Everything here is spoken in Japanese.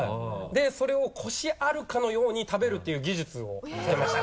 でそれをコシあるかのように食べるっていう技術を付けました。